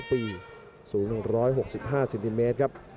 ทุกคนค่ะ